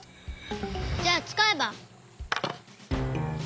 じゃあつかえば。